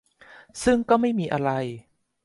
ซึ่งก็ไม่มีอะไร